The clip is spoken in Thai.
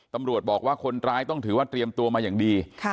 ตำรวจบอกว่าคนร้ายต้องถือว่าเตรียมตัวมาอย่างดี